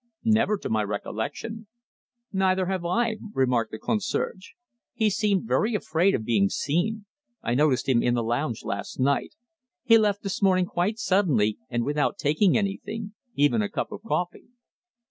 "Never to my recollection." "Neither have I," remarked the concierge. "He seemed very afraid of being seen. I noticed him in the lounge last night. He left this morning quite suddenly, and without taking anything even a cup of coffee."